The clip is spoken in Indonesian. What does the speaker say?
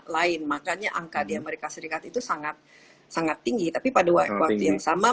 lain makanya angka di amerika serikat itu sangat sangat tinggi tapi pada waktu yang sama